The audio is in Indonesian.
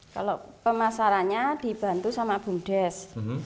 kalau pemasarannya dibantu sama bumdes